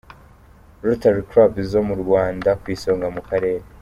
Rotary Clubs zo mu Rwanda ku isonga mu Karere.